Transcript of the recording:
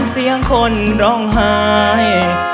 เพลงร้องเก่ง